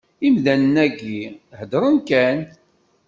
Imdanen-agi, heddren kan.